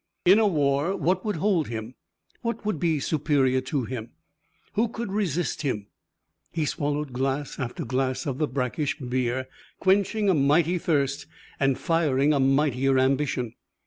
In a war what would hold him, what would be superior to him, who could resist him? He swallowed glass after glass of the brackish beer, quenching a mighty thirst and firing a mightier ambition.